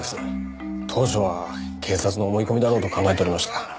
当初は警察の思い込みだろうと考えておりました。